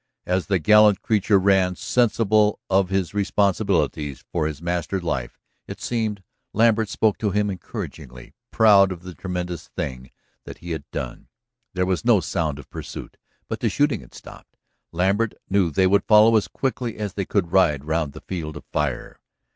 As the gallant creature ran, sensible of his responsibilities for his master's life, it seemed, Lambert spoke to him encouragingly, proud of the tremendous thing that he had done. There was no sound of pursuit, but the shooting had stopped. Lambert knew they would follow as quickly as they could ride round the field of fire.